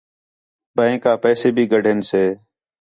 بینک آ پیسے بھی گِدھین سے